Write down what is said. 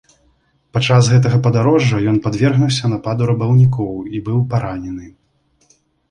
Падчас гэтага падарожжа ён падвергнуўся нападу рабаўнікоў і быў паранены.